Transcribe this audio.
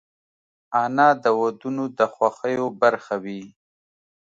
انا د ودونو د خوښیو برخه وي